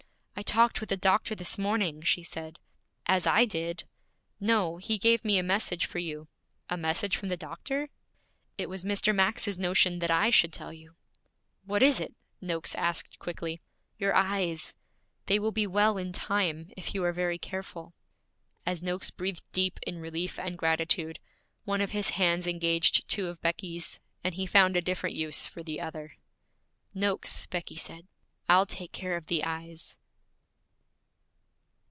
'I talked with the doctor this morning,' she said. 'As I did.' 'No. He gave me a message for you.' 'A message from the doctor?' 'It was Mr. Max's notion that I should tell you.' 'What is it?' Noakes asked quickly. 'Your eyes they will be well in time, if you are very careful.' As Noakes breathed deep in relief and gratitude, one of his hands engaged two of Becky's, and he found a different use for the other. 'Noakes,' Becky said, 'I'll take care of the eyes.'